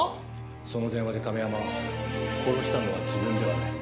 その電話で亀山は「殺したのは自分ではない。